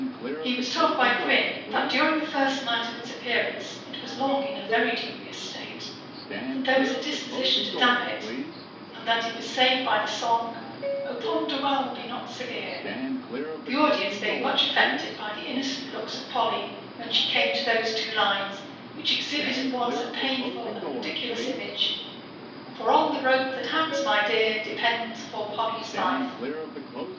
He was told by Quin, that during the first night of its appearance it was long in a very dubious state; that there was a disposition to damn it, and that it was saved by the song, 'Oh ponder well! be not severe!' the audience being much affected by the innocent looks of Polly, when she came to those two lines, which exhibit at once a painful and ridiculous image, 'For on the rope that hangs my Dear, Depends poor Polly's life.'